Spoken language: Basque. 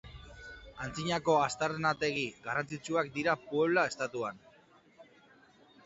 Antzinako aztarnategi garrantzitsuak dira Puebla estatuan.